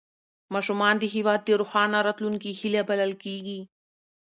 ماشومان د هېواد د روښانه راتلونکي هیله بلل کېږي